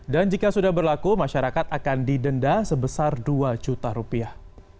dan jika sudah berlaku masyarakat akan didenda sebesar dua juta rupiah